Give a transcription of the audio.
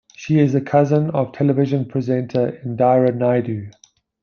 She is the cousin of television presenter Indira Naidoo.